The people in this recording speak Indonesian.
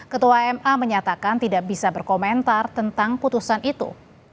ketua ma menyatakan tidak bisa berkomentar tentang putusan itu